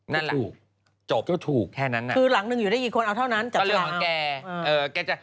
นั่นแหละจบแค่นั้นนะคือหลังนึงอยู่ได้กี่คนเอาเท่านั้นจับฉลากเอา